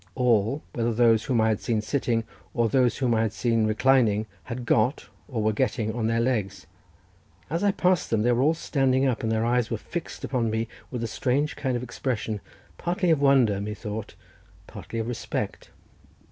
All, whether those whom I had seen sitting, or those whom I had seen reclining, had got, or were getting, on their legs. As I passed them they were all standing up, and their eyes were fixed upon me with a strange kind of expression, partly of wonder, methought, partly of respect.